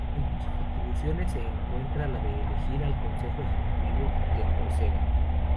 Entre sus atribuciones se encuentra la de elegir al Consejo ejecutivo de Córcega.